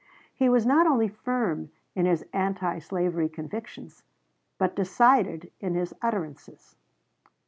He was not only firm in his anti slavery convictions, but decided in his utterances.